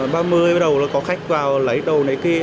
ba mươi bắt đầu có khách vào lấy đồ này kia